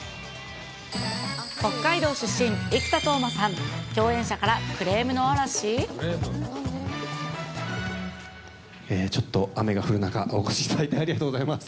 北海道出身、生田斗真さん、ちょっと雨が降る中、お越しいただいてありがとうございます。